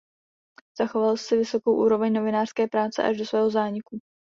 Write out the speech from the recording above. Zachoval si vysokou úroveň novinářské práce až do svého zániku.